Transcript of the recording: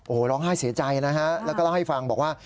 โอ้โหร้องไห้เสียใจนะฮะแล้วก็เล่าให้ฟังบอกว่า